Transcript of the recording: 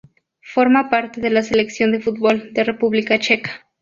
Forma parte de la selección de fútbol de República Checa.